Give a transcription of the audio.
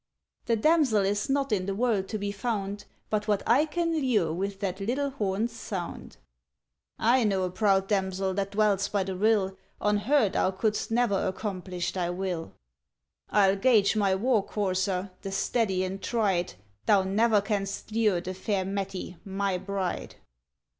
ŌĆ£The Damsel is not in the world to be found, But what I can lure with that little hornŌĆÖs sound. ŌĆØ ŌĆ£I know a proud damsel that dwells by the rill, On her thou couldst never accomplish thy will. ŌĆ£IŌĆÖll gage my war courser, the steady and tried, Thou never canst lure the fair Mettie, my bride.